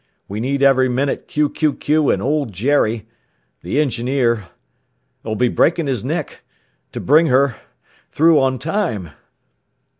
We need every minute ... and Old Jerry ... the engineer ... 'll be breaking his neck ... to bring her ... through on time!